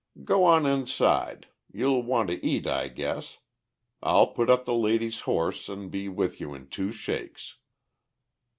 Go on inside. You'll want to eat, I guess. I'll put up the lady's horse an' be with you in two shakes."